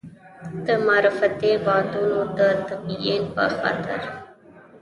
د معرفتي بعدونو د تبیین په خاطر.